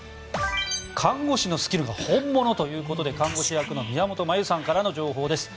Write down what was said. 看護師のスキルが本物ということで看護師役の宮本茉由さんからの情報です。